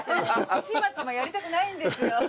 チマチマやりたくないんですよ。